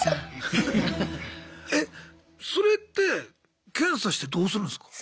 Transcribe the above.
それって検査してどうするんすか？